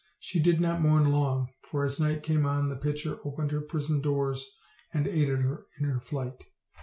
She did not mourn long, for as night came on the pitcher opened her prison doors and aided her in her flight.